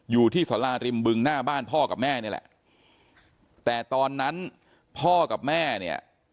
อยู่ที่สาราริมบึงหน้าบ้านพ่อกับแม่นี่แหละแต่ตอนนั้นพ่อกับแม่เนี่ย